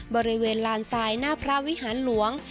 บริเวณลานทรายหน้าพระวิหารหลวง